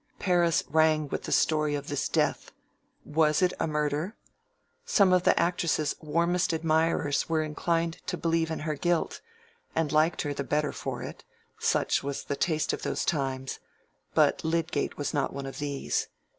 Paris rang with the story of this death:—was it a murder? Some of the actress's warmest admirers were inclined to believe in her guilt, and liked her the better for it (such was the taste of those times); but Lydgate was not one of these.